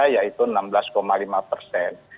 yaitu enam belas lima persen